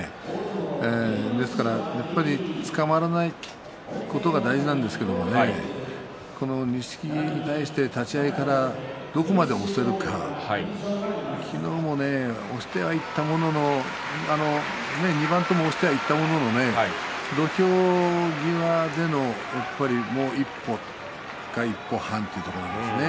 ですからやはりつかまらないことが大事なんですけれども錦木に対して立ち合いからどこまで押せるか昨日も押してはいったものの土俵際での一歩半というところですね